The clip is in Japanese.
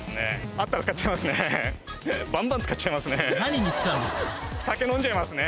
あったら使っちゃいますね。